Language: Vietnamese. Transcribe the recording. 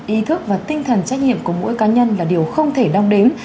ý thức và tinh thần trách nhiệm của mỗi cá nhân là điều không thể đong đếm